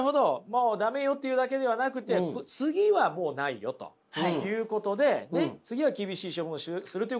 「もう駄目よ」って言うだけではなくて「次はもうないよ」ということで次は厳しい処分をするということも言うわけですね。